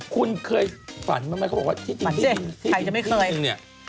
คุณเคยฝันมั้ยเขาบอกว่าที่จริงเนี่ยมาเจ๊ใครจะไม่เคย